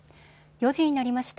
４時になりました。